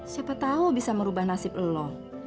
siapa tau bisa merubah nasib lo